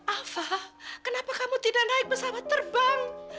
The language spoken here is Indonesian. alfa kenapa kamu tidak naik pesawat terbang